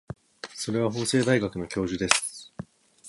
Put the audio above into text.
それは法政大学の教授です。